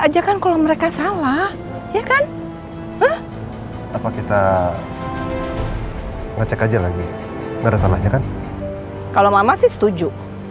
ajak kalau mereka salah ya kan apa kita ngecek aja lagi ngerasa nanya kan kalau masih setuju